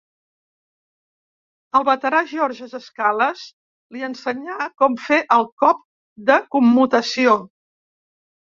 El veterà George Scales li ensenyà com fer el cop de commutació.